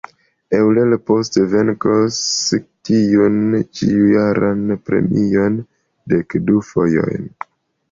Euler poste venkos tiun ĉiujaran premion dekdu fojojn.